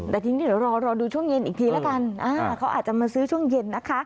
แบบนี้เดี๋ยวรอดูช่วงเย็นอีกทีละกัน